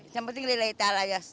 yang penting lilai ta'ala ya